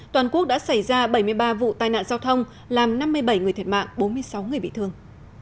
toàn quốc đã xảy ra bảy mươi ba vụ tai nạn giao thông làm năm mươi bảy người thiệt mạng bốn mươi sáu người bị thương